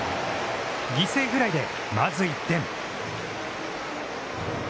犠牲フライで、まず１点。